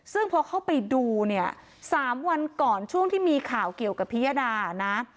ซึ่งพอเข้าไปดูเนี่ย๓วันก่อนช่วงที่มีข่าวเกี่ยวกับพิยดานะ